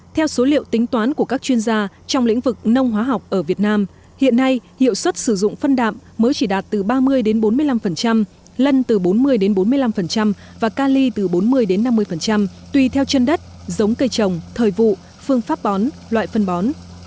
theo số liệu tính toán của các chuyên gia trong lĩnh vực nông hóa học ở việt nam hiện nay hiệu suất sử dụng phân đạm mới chỉ đạt từ ba mươi bốn mươi năm lân từ bốn mươi bốn mươi năm và ca ly từ bốn mươi năm mươi tùy theo chân đất giống cây trồng thời vụ phương pháp bón loại phân bón